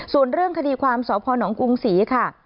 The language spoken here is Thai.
ส่วนเรื่องคดีความสพนกรุงศรีค่ะ